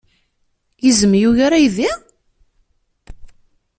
Izem yugar aydi?